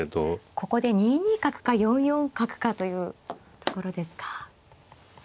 ここで２二角か４四角かというところですか。